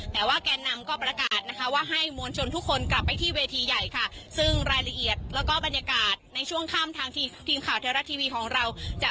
แต่ว่าแกนนำก็ประกาศนะคะว่าให้มวลชนทุกคนกลับไปที่เวทีใหญ่ค่ะซึ่งรายละเอียดแล้วก็บรรยากาศในช่วงข้ามทางทีมข่าวเทวรัฐทีวีของเราจะ